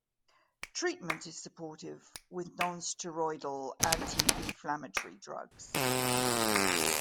Treatment is supportive, with non-steroidal anti-inflammatory drugs.